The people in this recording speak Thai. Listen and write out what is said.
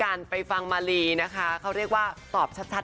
แล้วอาจจะอย่างไปฟังมาลีนะคะเขาเลี้ยวว่าตอบชัดดีกว่าค่ะ